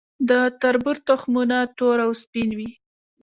د تربوز تخمونه تور او سپین وي.